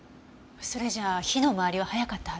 それじゃあ火の回りは早かったはずね。